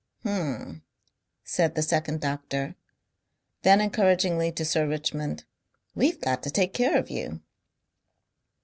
"H'm," said the second doctor, and then encouragingly to Sir Richmond: "We've got to take care of you.